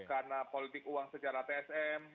karena politik uang secara tsm